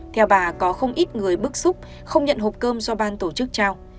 theo bà có không ít người bức xúc không nhận hộp cơm do ban tổ chức trao